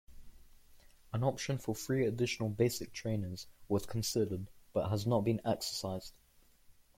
An option for three additional basic trainers was considered but has not been exercised.